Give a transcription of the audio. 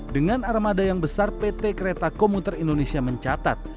dengan armada yang besar pt kereta komuter indonesia mencatat